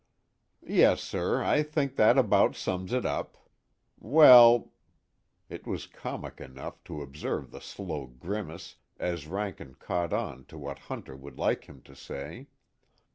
"Yes, sir, I think that about sums it up. Well " It was comic enough, to observe the slow grimace as Rankin caught on to what Hunter would like him to say.